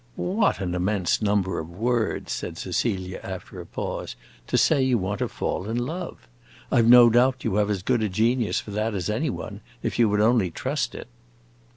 "What an immense number of words," said Cecilia after a pause, "to say you want to fall in love! I 've no doubt you have as good a genius for that as any one, if you would only trust it."